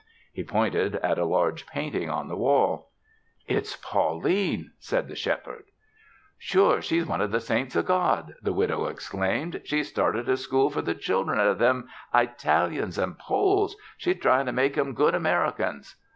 He pointed at a large painting on the wall. "It's Pauline!" said the Shepherd. "Sure she's one o' the saints o' God!" the widow exclaimed. "She's started a school for the children o' them Eytalians an' Poles. She's tryin' to make 'em good Americans."